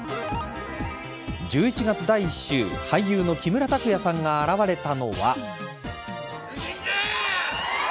１１月第１週俳優の木村拓哉さんが現れたのは。